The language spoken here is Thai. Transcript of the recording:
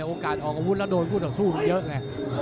โอกาสออกอาวุธแล้วโดนกูจะสู้เยอะ